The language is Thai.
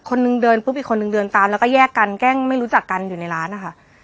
คนนึงเดินปุ๊บอีกคนนึงเดินตามแล้วก็แยกกันแกล้งไม่รู้จักกันอยู่ในร้านนะคะ